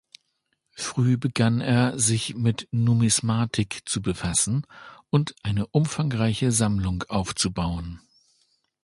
Früh begann er, sich mit Numismatik zu befassen und eine umfangreiche Sammlung aufzubauen.